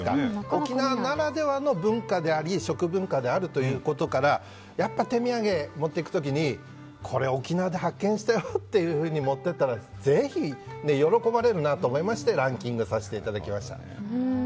沖縄ならではの文化であり食文化であるということからやっぱり手土産、持っていく時にこれ沖縄で発見したよって持って行ったらぜひ喜ばれるなと思いましてランキングさせていただきました。